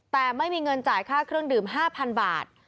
แต่ไม่มีเงินจ่ายค่าเครื่องดื่ม๕๐๐บาท